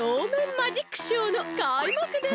マジックショーのかいまくです！